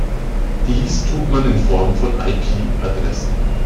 Dies tut man in Form von IP-Adressen.